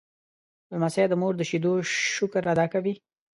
لمسی د مور د شیدو شکر ادا کوي.